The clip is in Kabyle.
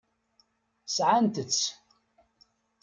Sɛant-tt.